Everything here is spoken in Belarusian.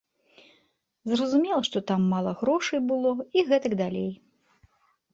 Зразумела, што там мала грошай было і гэтак далей.